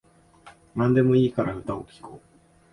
なんでもいいから歌を聴こう